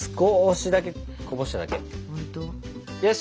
よし！